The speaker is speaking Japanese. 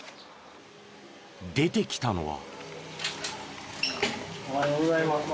出てきたのは。